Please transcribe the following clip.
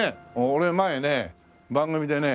俺前ね番組でね